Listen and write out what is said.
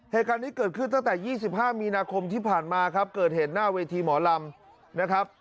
เหตุการณ์นี้เกิดขึ้นตั้งแต่๒๕มีนาคมที่ผ่านมาครับเกิดเหตุหน้าเวทีหมอลำนะครับ